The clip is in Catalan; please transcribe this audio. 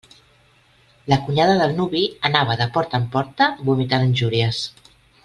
La cunyada del nuvi anava de porta en porta vomitant injúries.